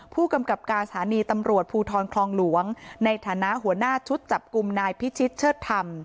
ผู้กำกับการสถานีตำรวจภูทรคลองหลวงในฐานะหัวหน้าชุดจับกลุ่มนายพิชิตเชิดธรรม